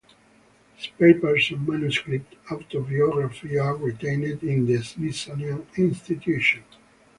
His papers and manuscript autobiography are retained in the Smithsonian Institution.